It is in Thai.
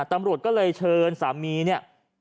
ตำรวจก็เลยเชิญสามีเนี่ย